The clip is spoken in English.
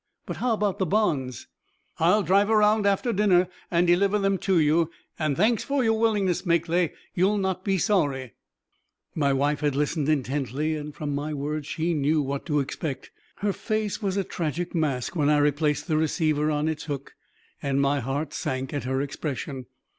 But how about the bonds?" "I'll drive around after dinner and deliver them to you. And thanks for your willingness, Makely. You'll not be sorry." My wife had listened intently and, from my words, she knew what to expect. Her face was a tragic mask when I replaced the receiver on its hook, and my heart sank at her expression.